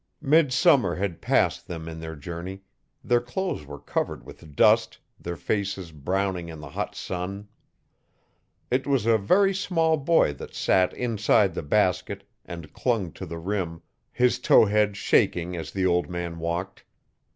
Midsummer had passed them in their journey; their clothes were covered with dust; their faces browning in the hot sun. It was a very small boy that sat inside the basket and clung to the rim, his tow head shaking as the old man walked.